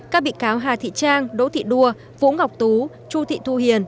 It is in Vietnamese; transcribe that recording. các bị cáo hà thị trang đỗ thị đua vũ ngọc tú chu thị thu hiền